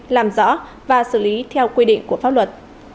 làm rõ và xử lý theo quy định của pháp luật